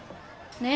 ・ねえ？